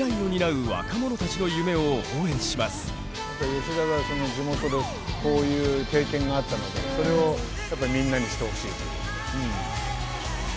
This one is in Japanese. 吉田が地元でこういう経験があったのでそれをみんなにしてほしいと。